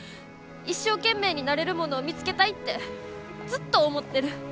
一生懸命になれるものを見つけたいってずっと思ってる。